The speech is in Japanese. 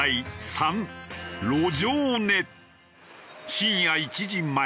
深夜１時前